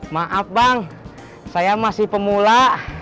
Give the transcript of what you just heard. maaf bang saya masih pemula